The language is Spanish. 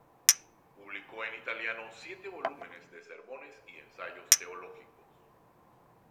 Publicó en italiano siete volúmenes de sermones y ensayos teológicos.